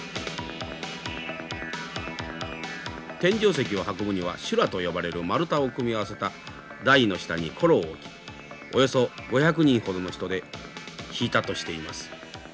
天井石を運ぶには修羅と呼ばれる丸太を組み合わせた台の下に転木を置きおよそ５００人ほどの人で引いたとしています。